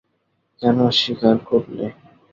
কেন স্বীকার করলে?